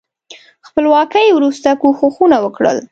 خپلواکۍ وروسته کوښښونه وکړل.